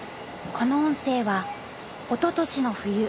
この音声はおととしの冬